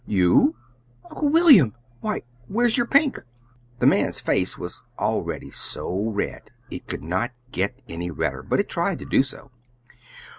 "You! Uncle William! Why, where's your pink?" The man's face was already so red it could not get any redder but it tried to do so.